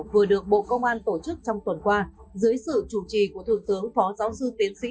vừa được bộ công an tổ chức trong tuần qua dưới sự chủ trì của thượng tướng phó giáo sư tiến sĩ